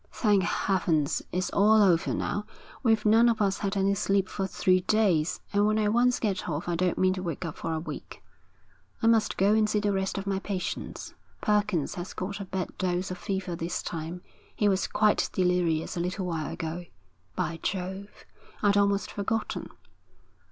'Thank heavens, it's all over now. We've none of us had any sleep for three days, and when I once get off I don't mean to wake up for a week.' 'I must go and see the rest of my patients. Perkins has got a bad dose of fever this time. He was quite delirious a little while ago.' 'By Jove, I'd almost forgotten.'